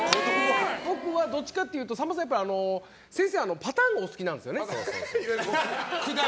僕は、どっちかっていうとさんまさん、先生はパターンがお好きなんですよね。